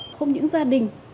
không những gia đình